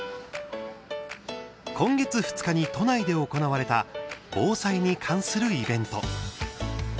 今月２日に都内で行われた防災に関するイベント。